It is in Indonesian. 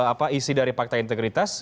apa isi dari fakta integritas